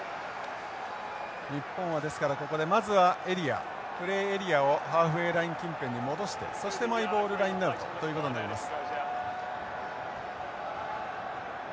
日本はですからここでまずはエリアプレーエリアをハーフウェイライン近辺に戻してそしてマイボールラインアウトということになります。